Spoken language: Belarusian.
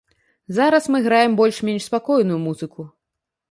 Зараз мы граем больш-менш спакойную музыку.